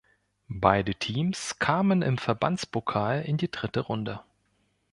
Beide Teams kamen im Verbandspokal in die dritte Runde.